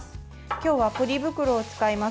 今日はポリ袋を使います。